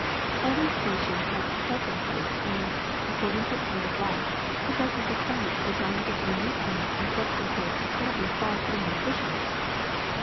Every species has its prefer ences and, according to its mode of life, possesses a stomach designed to find nutriment in substances ap parently far from nutritious.